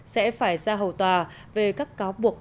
sẽ phải ra hầu tòa về các cáo buộc